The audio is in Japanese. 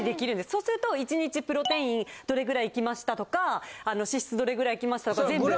そうすると１日プロテインどれくらいいきましたとか脂質どれくらいいきましたとか全部。